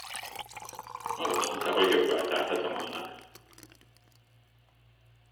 Maga mondta, hogy joggal tarthatom annak.